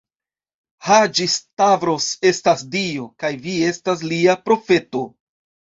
Haĝi-Stavros estas Dio, kaj vi estas lia profeto.